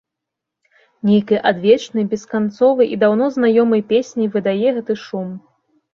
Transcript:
Нейкай адвечнай, бесканцовай і даўно знаёмай песняй выдае гэты шум.